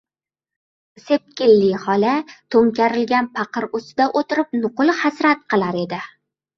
Sepkilli xola to‘nkarilgan paqir ustida o‘tirib nuqul hasrat qilar edi: